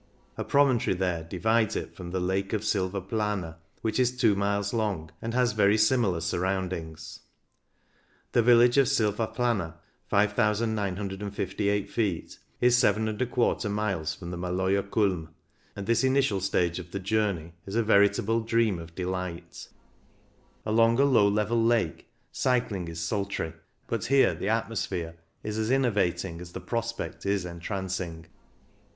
A promontory there divides it from the Lake of Silvaplana, which is two miles long, and has very similar surroundings. The vills^e of Silvaplana (5,958 ft*) is 7J miles from the Maloja Kulm, and this initial stage of the journey is a veritable dream of delight. Along a low level lake cycling is sultry, but here the atmosphere is as innervating as the prospect is en trancing.